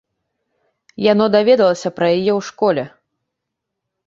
Яно даведалася пра яе ў школе.